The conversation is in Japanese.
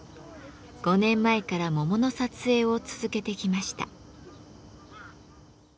５年前から桃の撮影を続けてきました。